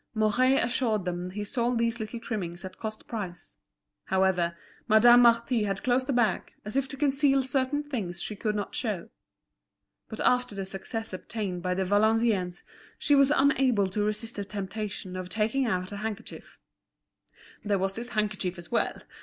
Mouret assured them he sold these little trimmings at cost price. However, Madame Marty had closed the bag, as if to conceal certain things she could not show. But after the success obtained by the Valenciennes she was unable to resist the temptation of taking out a handkerchief. "There was this handkerchief as well.